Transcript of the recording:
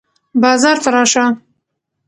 بازار ته راشه.